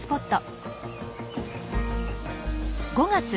５月。